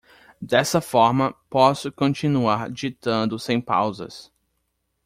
Dessa forma, posso continuar ditando sem pausas.